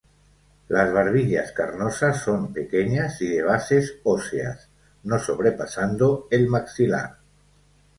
Las barbillas carnosas son pequeñas y de bases óseas, no sobrepasando el maxilar.